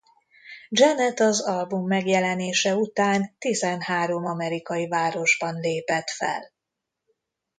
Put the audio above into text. Janet az album megjelenése után tizenhárom amerikai városban lépett fel.